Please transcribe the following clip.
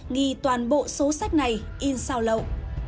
nghi toàn bộ số sách này in sao lậu